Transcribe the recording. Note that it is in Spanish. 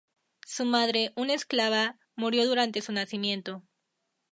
Su madre, una esclava, murió durante su nacimiento.